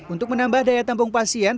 untuk menambah daya tampung pasien